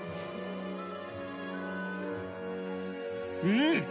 うん！